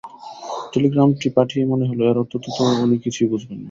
টেলিগ্রামটি পাঠিয়েই মনে হলো, এর অর্থ তো উনি কিছুই বুঝবেন না।